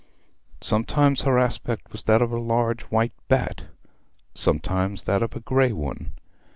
Sometimes her aspect was that of a large white bat, sometimes that of a grey one.